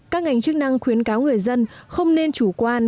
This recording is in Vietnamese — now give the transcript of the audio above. các ngành chức năng khuyến cáo người dân không nên chủ quan